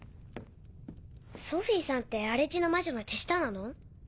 ソフィーさんて荒地の魔女の手下なの？